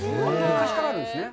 昔からあるんですね。